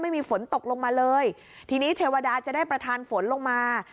ไม่มีฝนตกลงมาเลยทีนี้เทวดาจะได้ประธานฝนลงมา